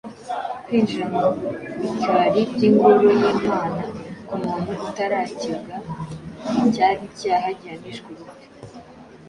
kwinjira mu bikari by’ingoro y’Imana k’umuntu utarakebwe cyari icyaha gihanishwa urupfu.